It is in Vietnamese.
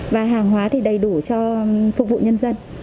và hàng hóa thì đầy đủ cho phục vụ nhân dân